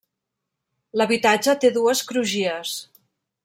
L’habitatge té dues crugies.